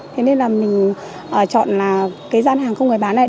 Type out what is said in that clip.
thế nên là mình chọn là cái gian hàng không người bán này